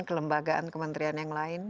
kelembagaan kementerian yang lain